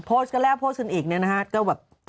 โพสต์ก็แล้วโพสต์กันอีกเนี่ยนะฮะก็แบบ